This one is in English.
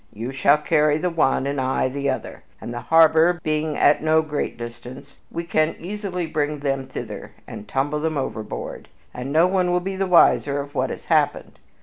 You shall carry the one and I the other, and, the harbor being at no great distance, we can easily bring them thither and tumble them overboard, and no one will be the wiser of what has happened.